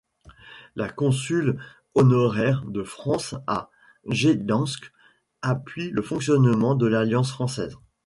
La consule honoraire de France à Gdańsk appuie le fonctionnement de l'Alliance française.